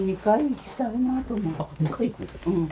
うん？